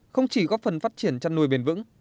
không chỉ góp phần phát triển chăn nuôi bền vững